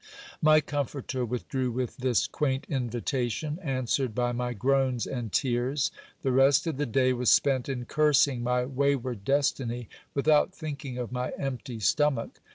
My comforter withdrew with this quaint invitation, answered by my groans and tears. The rest of the day was spent in cursing my wayward destiny, with out thinking of my empty stomach.